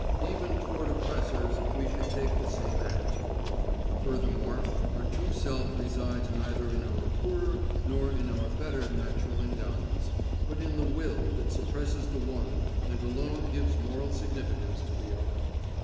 Even toward oppressors we should take the same attitude. Furthermore, our true self resides neither in our poorer nor in our better natural endowments, but in the will that suppresses the one and alone gives moral significance to the other.